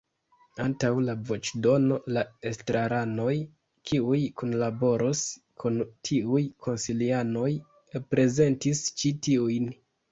Antaŭ la voĉdono la estraranoj, kiuj kunlaboros kun tiuj konsilianoj, prezentis ĉi tiujn.